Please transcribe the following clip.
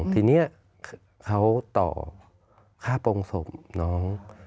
เพราะฉะนั้นมันต่อค่าโปรงศพน้อง